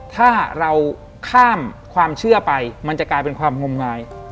ถ้าเราข้ามความเชื่อไปมันจะกลายเป็นความงมงาย